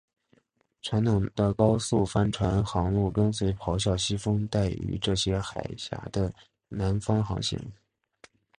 传统的高速帆船航路跟随咆哮西风带于这些海岬的南方航行。